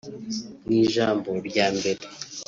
Mu ijambo rya mbere